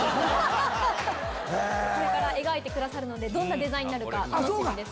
これから描いてくださるのでどんなデザインになるか楽しみです。